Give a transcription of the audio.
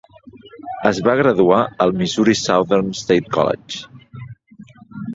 Es va graduar al Missouri Southern State College.